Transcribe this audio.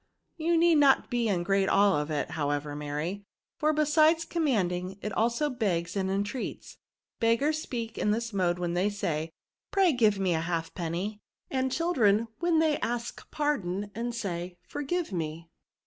" You need not be in great awe of it, how ever, Mary ; for besides commanding, it also begs and entreats. Beggars speak in this mode when they say, * Pray, give me a half penny ;' and children, when they ask pardon and say, * Forgive me.'